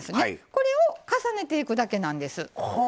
これを重ねていくだけなんです。